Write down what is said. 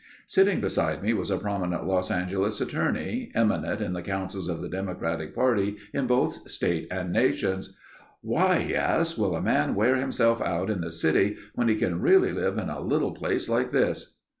Sitting beside me was a prominent Los Angeles attorney, eminent in the councils of the Democratic party in both state and nation. "Why," he asked, "will a man wear himself out in the city when he can really live in a little place like this?"